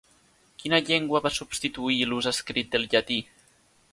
Quina llengua va substituir l'ús escrit del llatí?